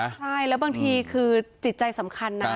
ใช่แล้วบางทีคือจิตใจสำคัญนะ